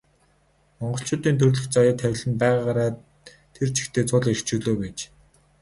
Монголчуудын төрөлх заяа тавилан нь байгаагаараа тэр чигтээ цул эрх чөлөө байж.